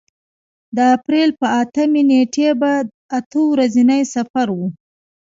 د اپرېل په اتمې نېټې په اته ورځني سفر و.